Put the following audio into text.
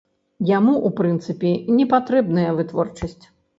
Яму, у прынцыпе, не патрэбная вытворчасць.